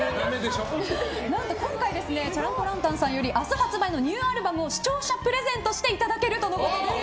何と今回チャラン・ポ・ランタンさんより明日発売のニューアルバムを視聴者プレゼントしていただけるということです。